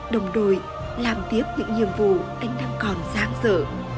đồng đội làm tiếp những nhiệm vụ anh đang còn giang dở